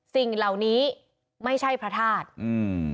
สิ่งเหล่านี้ไม่ใช่พระธาตุอืม